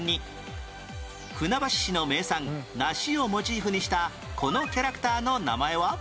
船橋市の名産梨をモチーフにしたこのキャラクターの名前は？